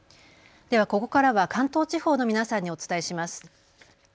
ではここからは関東地方の皆さんにお伝えします。